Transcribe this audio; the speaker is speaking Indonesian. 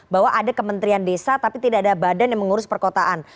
bahwa ada kementerian desa tapi tidak ada badan yang mengurus perkotaan